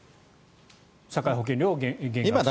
社会保険料を減額すると。